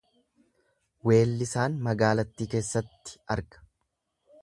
Weellisaan magaalattii keessatti arga.